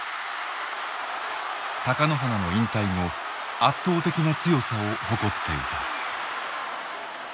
貴乃花の引退後圧倒的な強さを誇っていた。